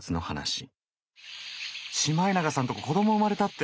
シマエナガさんとこ子ども生まれたって。